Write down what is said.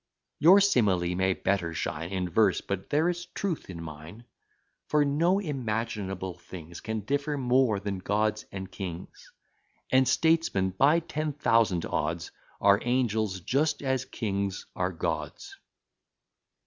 Your simile may better shine In verse, but there is truth in mine. For no imaginable things Can differ more than gods and kings: And statesmen, by ten thousand odds, Are angels just as kings are gods.